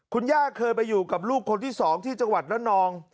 คุณย่าเคยไปอยู่กับลูกคนที่๒ที่จังหวัดระนอง